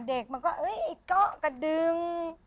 เด็กมันก็เอ้ยไอ้เกาะกระดึง